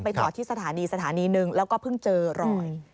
จอดที่สถานีสถานีหนึ่งแล้วก็เพิ่งเจอรอย